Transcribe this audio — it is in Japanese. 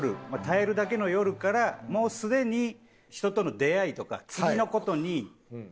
耐えるだけの夜からもうすでに人との出会いとか。